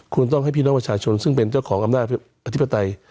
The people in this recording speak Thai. คุณต้องให้พี่น้องประชาชนซึ่งเป็นเจ้าของอำนาจอธิปไตย